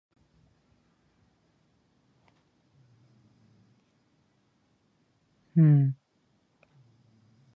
Daraxtlar muhofazasi kuchaytiriladi, ekologiya politsiyasi tashkil etiladi